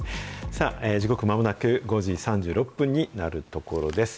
さあ、時刻まもなく５時３６分になるところです。